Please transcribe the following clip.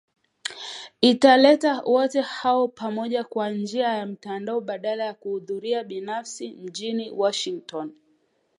itawaleta wote hao pamoja kwa njia ya mtandao badala ya kuhudhuria binafsi mjini Washington